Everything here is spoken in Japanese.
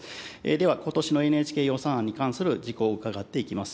では、ことしのＮＨＫ予算案に関する事項を伺っていきます。